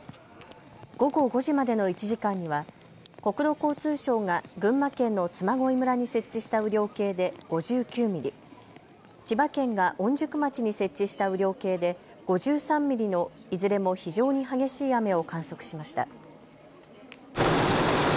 午後５時までの１時間には国土交通省が群馬県の嬬恋村に設置した雨量計で５９ミリ、千葉県が御宿町に設置した雨量計で５３ミリのいずれも非常に激しい雨を観測しました。